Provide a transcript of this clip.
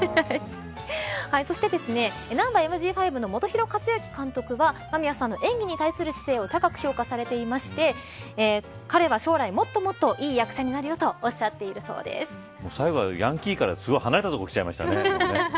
そして、ナンバＭＧ５の本広克行監督は間宮さんの演技に対する姿勢を高く評価していまして彼は将来もっともっといい役者になると最後は、ヤンキーから離れたところにきちゃいましたね。